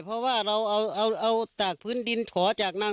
เพราะว่าเราเอาตากพื้นหลอน